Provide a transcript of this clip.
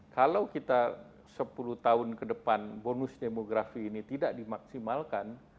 kalau kita sepuluh tahun ke depan bonus demografi ini tidak dimaksimalkan